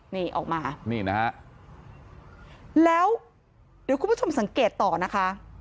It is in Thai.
นี่ออกมานี่นะฮะแล้วเดี๋ยวคุณผู้ชมสังเกตต่อนะคะ